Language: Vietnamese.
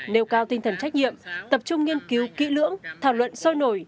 nêu cao tinh thần trách nhiệm tập trung nghiên cứu kỹ lưỡng thảo luận sôi nổi